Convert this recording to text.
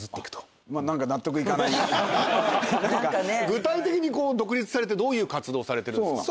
具体的にこう独立されてどういう活動されてるんですか？